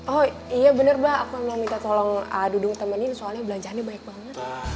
oh iya bener mbak aku mau minta tolong dudung temenin soalnya belanjaannya banyak banget